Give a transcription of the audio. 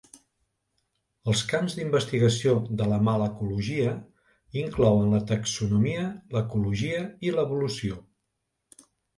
Els camps d'investigació de la malacologia inclouen la taxonomia, l'ecologia, i l'evolució.